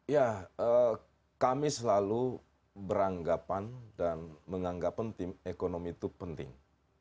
ya kami selalu beranggapan dan menganggap ekonomi itu penting